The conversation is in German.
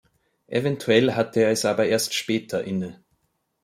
Eventuell hatte er es aber erst später inne.